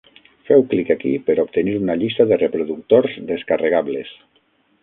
Feu clic aquí per obtenir una llista de reproductors descarregables.